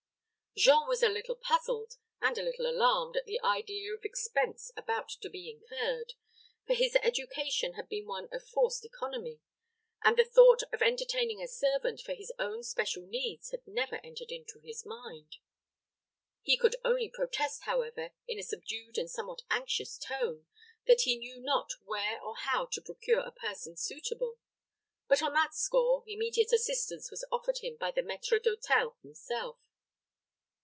Jean was a little puzzled, and a little alarmed at the idea of expense about to be incurred; for his education had been one of forced economy, and the thought of entertaining a servant for his own especial needs had never entered into his mind. He could only protest, however, in a subdued and somewhat anxious tone, that he knew not where or how to procure a person suitable; but, on that score, immediate assistance was offered him by the maître d'hôtel himself.